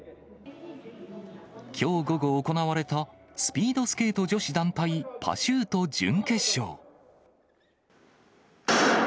きょう午後、行われたスピードスケート女子団体パシュート準決勝。